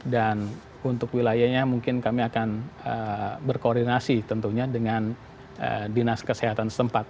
dan untuk wilayahnya mungkin kami akan berkoordinasi tentunya dengan dinas kesehatan sempat